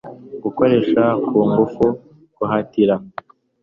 gukoresha ku ngufu guhatira